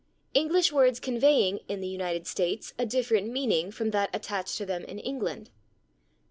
English words conveying, in the United States, a different meaning from that attached to them in England.